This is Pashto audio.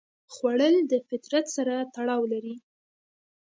خوړل د فطرت سره تړاو لري